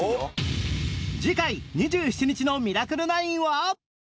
次回２７日の『ミラクル９』は